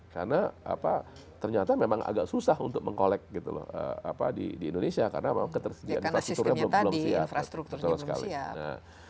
karena ternyata memang agak susah untuk meng collect di indonesia karena infrastrukturnya belum siap